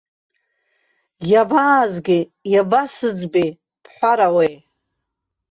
Иабаазгеи, иабасыӡбеи бҳәарауеи!